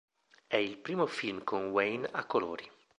È il primo film con Wayne a colori.